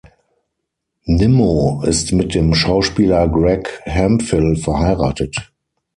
Nimmo ist mit dem Schauspieler Greg Hemphill verheiratet.